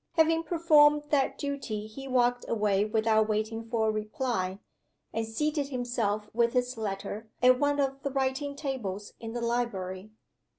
Having performed that duty he walked away without waiting for a reply; and seated himself with his letter, at one of the writing tables in the library.